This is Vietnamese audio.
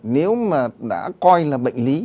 nếu mà đã coi là bệnh lý